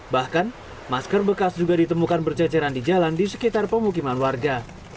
bahkan masker bekas juga ditemukan berceceran di jalan di sekitar pemukiman warga